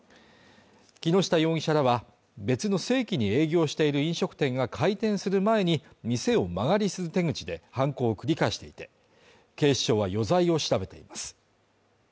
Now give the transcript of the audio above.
木下容疑者らは別の正規に営業している飲食店が開店する前に店を間借りする手口で犯行を繰り返していて、警視庁は余罪を調べています。